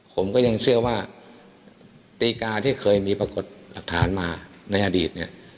ผมก็ยังเชื่อว่าตีกาที่เคยมีปรากฏหลักฐานมาในอดีตเนี่ย